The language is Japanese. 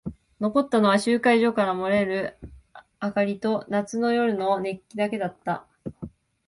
残ったのは集会所から漏れる明かりと夏の夜の熱気だけだった。